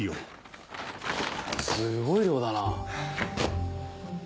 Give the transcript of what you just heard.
すごい量だな。